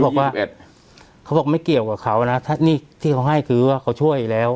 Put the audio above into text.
เขาบอกว่าไม่เกี่ยวกับเขานะนี่ที่เขาให้คือว่าเขาช่วยแล้ว